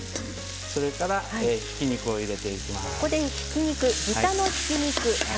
それからひき肉を入れていきます。